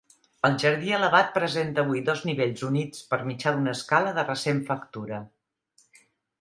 El jardí elevat presenta avui dos nivells units per mitjà d'una escala de recent factura.